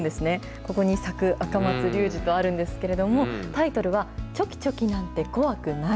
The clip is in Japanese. ここに作・あかまつりゅうじとあるんですけれども、タイトルは、チョキチョキなんてこわくない！